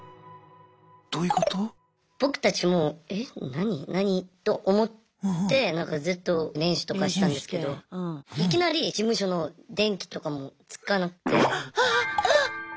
僕たちも「え何？何？」と思ってずっと練習とかしてたんですけどいきなり事務所の電気とかもつかなくて。